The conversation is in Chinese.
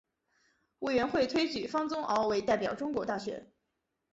委员会推举方宗鳌为代表中国大学。